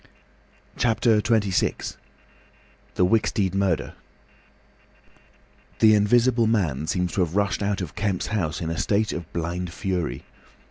CHAPTER XXVI. THE WICKSTEED MURDER The Invisible Man seems to have rushed out of Kemp's house in a state of blind fury.